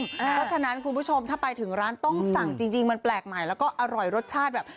เพราะฉะนั้นคุณผู้ชมถ้าไปถึงร้านต้องสั่งจริงมันแปลกใหม่แล้วก็อร่อยรสชาติแบบ